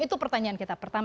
itu pertanyaan kita pertama